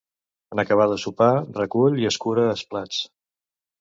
En acabar de sopar, recull i escura es plats.